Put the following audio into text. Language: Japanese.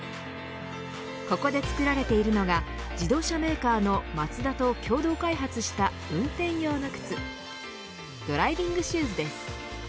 ここで作られているのが自動車メーカーのマツダと共同開発した運転用の靴ドライビングシューズです。